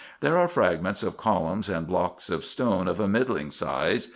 There are frag ments of columns, and blocks of stone of a middling size.